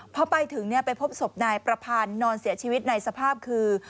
พอไปถึงไปพบศพนายประพันธ์นอนเสียชีวิตในสภาพคือ